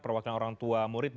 perwakilan orang tua murid